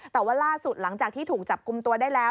แต่ว่าล่าสุดหลังจากที่ถูกจับกลุ่มตัวได้แล้ว